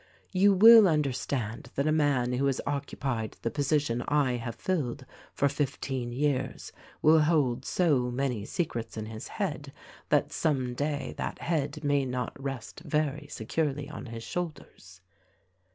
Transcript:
"You will understand that a man who has occupied the position I have filled for fifteen years will hold so many secrets in his head that some day that head may not rest very securely on his shoulders.